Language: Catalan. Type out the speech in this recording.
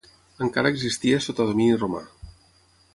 Encara existia sota domini romà.